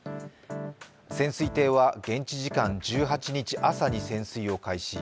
潜水艇は現地時間１８日朝に潜水を開始。